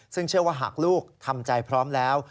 ซึ่งเชื่อว่าหากลูกทำใจพร้อมแล้ว